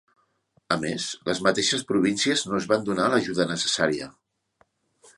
A més, les mateixes províncies no es van donar l'ajuda necessària.